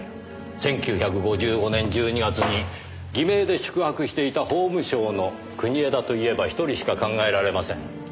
１９５５年１２月に偽名で宿泊していた法務省の国枝といえば１人しか考えられません。